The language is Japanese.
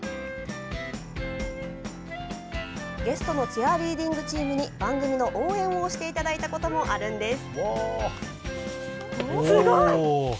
ゲストのチアリーディングチームに番組の応援をしていただいたこともあるんです。